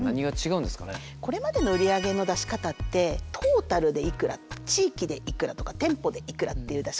これまでの売り上げの出し方ってトータルでいくら地域でいくらとか店舗でいくらっていう出し方。